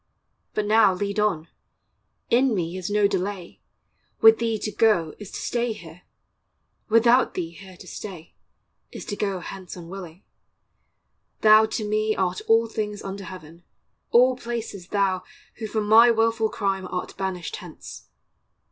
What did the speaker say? But now lead on; In me is no delay; with thee to go, Is to stay here; without thee here to stay, Is to go hence unwilling; thou to me Art all things under heaven, all places thou, Who for my wilful crime art banished hence.